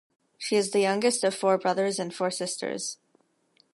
She is the youngest of four brothers and four sisters.